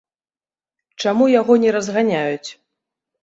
Чаму яго не разганяюць?